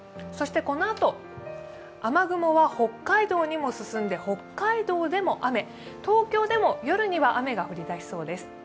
そしてこのあと、雨雲は北海道にも進んで北海道でも雨、東京でも夜には雨が降りだしそうです。